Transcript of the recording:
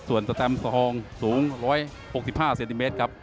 ส่วนสแตมซองสูง๑๖๕เซนติเมตรครับ